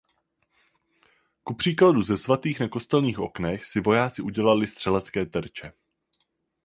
Kupříkladu ze svatých na kostelních oknech si vojáci udělali střelecké terče.